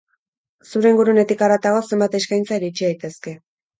Zure ingurunetik haratago, zenbait eskaintza iritsi daitezke.